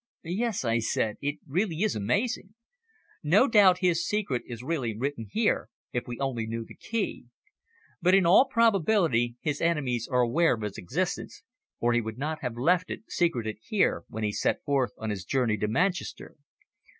"Yes," I said, "it really is amazing. No doubt his secret is really written here, if we only knew the key. But in all probability his enemies are aware of its existence, or he would not have left it secreted here when he set forth on his journey to Manchester.